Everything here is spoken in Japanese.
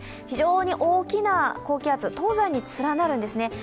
非常に大きな高気圧東西に連なるんですね。